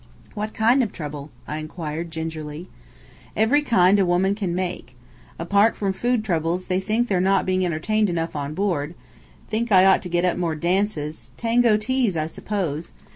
"What kind of trouble?" I inquired gingerly. "Every kind a woman can make. Apart from food troubles, they think they're not being entertained enough on board; think I ought to get up more dances; tango teas I suppose!